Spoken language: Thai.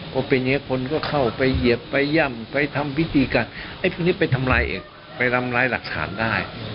เพราะเป็นอย่างนี้คนก็เข้าไปเหยียบไปย่ำไปทำพิธีการไปทำลายเอกไปลำลายหลักศาลได้